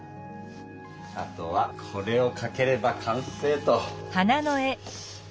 あとはこれをかければ完成と。